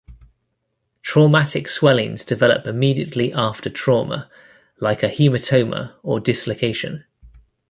Traumatic swellings develop immediately after trauma, like a hematoma or dislocation.